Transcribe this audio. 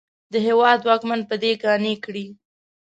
د هېواد واکمن په دې قانع کړي.